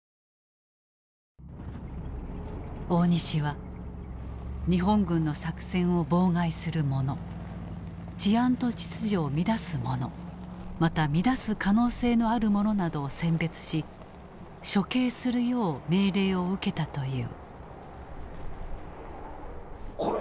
大西は日本軍の作戦を妨害する者治安と秩序を乱す者また乱す可能性のある者などを選別し処刑するよう命令を受けたという。